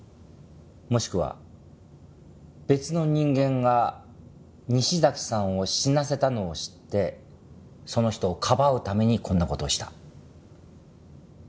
もしくは別の人間が西崎さんを死なせたのを知ってその人をかばうためにこんな事をした。